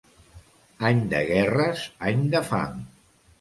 Any de guerres, any de fam.